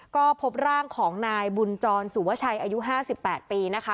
ก็พบร่างของนายบุญจรสู่วชัยอายุห้าสิบแปดปีนะคะ